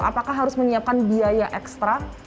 apakah harus menyiapkan biaya ekstra